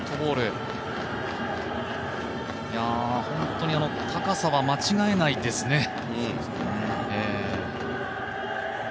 本当に高さは間違えないですね。